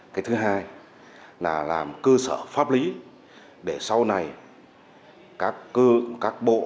cái thứ hai là làm cơ sở pháp lý để sau này các bộ